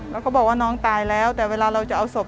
แล้วเขาบอกว่าน้องตายแล้วแต่เวลาเราจะเอาศพ